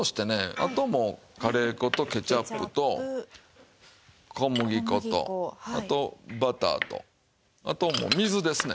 あともうカレー粉とケチャップと小麦粉とあとバターとあともう水ですね。